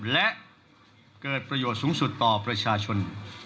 และเกิดประโยชน์สูงสุดต่อประชาชน